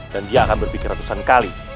dia akan berpikir ratusan kali